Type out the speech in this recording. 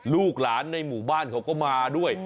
ลูกหลานในหมู่บ้านเขาก็มาด้วย